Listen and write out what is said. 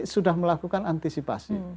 sudah melakukan antisipasi